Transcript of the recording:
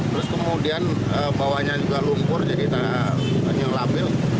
terus kemudian bawahnya juga lumpur jadi tanah banyak yang lapil